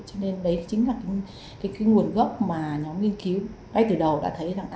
cho nên đấy chính là cái nguồn gốc mà nhóm nghiên cứu ngay từ đầu đã thấy rằng